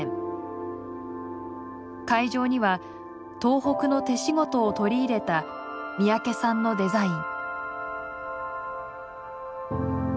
会場には東北の手仕事を取り入れた三宅さんのデザイン。